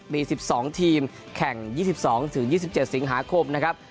มี๑๒ทีมแข่ง๒๒๒๗สิงหาคมนะครับ